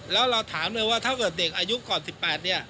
แล้วเราถามเลยว่าถ้าเกิดเด็กอายุก่อน๑๘เนี่ย